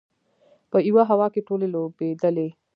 په یوه هوا کې ټولې لوبېدلې.